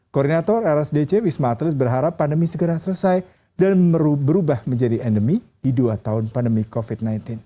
koordinator rsdc wisma atlet berharap pandemi segera selesai dan berubah menjadi endemi di dua tahun pandemi covid sembilan belas